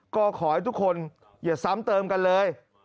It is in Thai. ก็ขอให้ทุกคนอย่าซ้ำเติมกันเลย